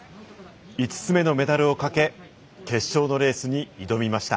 ５つ目のメダルをかけ決勝のレースに挑みました。